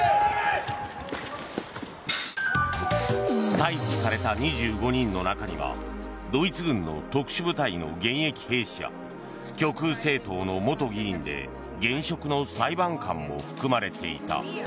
逮捕された２５人の中にはドイツ軍の特殊部隊の現役兵士や極右政党の元議員で現職の裁判官も含まれていた。